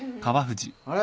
あれ？